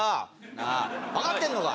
なあわかってんのか？